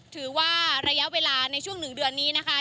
ถือว่าระยะเวลาในช่วง๑เดือนนี้นะคะ